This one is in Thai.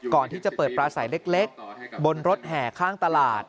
ก่อนที่จะเปิดปลาใสเล็กบนรถแห่ข้างตลาด